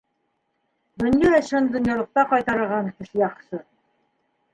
Донъя эшен донъялыҡта кайтараған яҡшы.